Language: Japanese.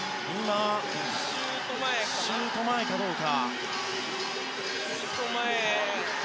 シュート前かどうか。